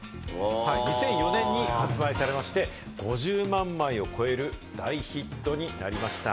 ２００４年に発売されまして、５０万枚を超える大ヒットになりました。